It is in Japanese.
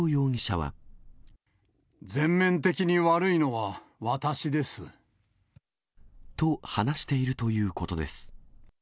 全面的に悪いのは私です。と、話しているということです。